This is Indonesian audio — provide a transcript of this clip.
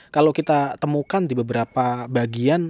kalau kita temukan di beberapa bagian